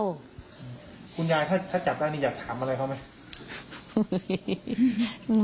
คุณยายถ้าจับงานนี้